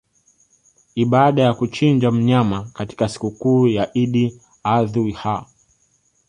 ibada ya kuchinja mnyama katika sikukuu ya Idi Adhu ha